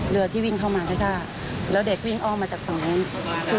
เรือที่วิ่งเข้ามาใกล้แล้วเด็กวิ่งอ้อมมาจากตรงนั้น